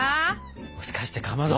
もしかしてかまど。